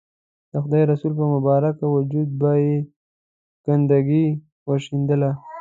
د خدای رسول پر مبارک وجود به یې ګندګي ورشیندله.